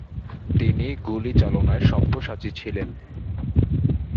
তিনি গুলিচালনায় সব্যসাচী ছিলেন।